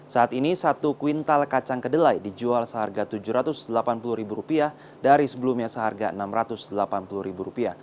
saat ini satu kuintal kacang kedelai dijual seharga rp tujuh ratus delapan puluh dari sebelumnya seharga rp enam ratus delapan puluh